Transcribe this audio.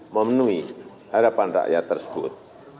memenuhi harapan rakyat tersebut